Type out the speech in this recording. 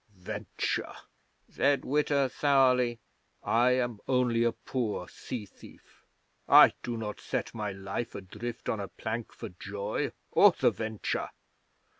'"Venture!" said Witta sourly. "I am only a poor sea thief. I do not set my life adrift on a plank for joy, or the venture.